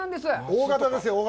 大型ですよ、大型。